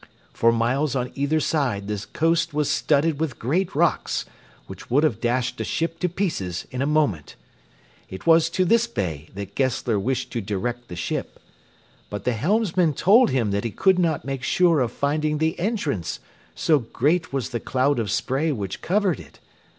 For miles on either side the coast was studded with great rocks, which would have dashed a ship to pieces in a moment. It was to this bay that Gessler wished to direct the ship. But the helmsman told him that he could not make sure of finding the entrance, so great was the cloud of spray which covered it.